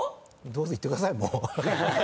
どうぞ言ってくださいもう。